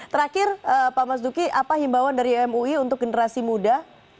terakhir pak mas duki apa himbawan dari mui untuk generasi muda